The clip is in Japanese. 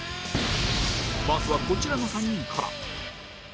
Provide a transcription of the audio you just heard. まずはこちらの３人から